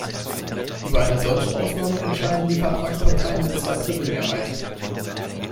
Über eine solche Ausnahme entscheiden die Vertragsparteien mit Zweidrittelmehrheit.